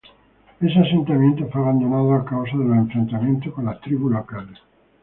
Ese asentamiento fue abandonado a causa de los enfrentamientos con las tribus locales.